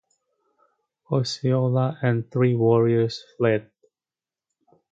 Osceola and three warriors fled.